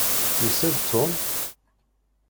Yusa-d Tom?